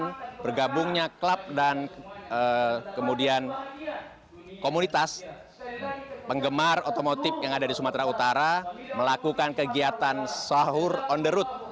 dengan bergabungnya klub dan kemudian komunitas penggemar otomotif yang ada di sumatera utara melakukan kegiatan sahur on the road